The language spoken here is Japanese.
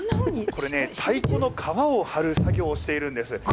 これね、太鼓の革を張る作業をしているんです。